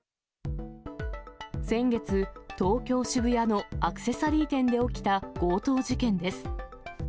先月、東京・渋谷のアクセサリー店で起きた強盗事件です。